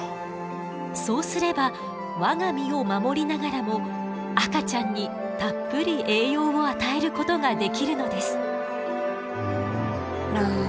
そうすれば我が身を守りながらも赤ちゃんにたっぷり栄養を与えることができるのです。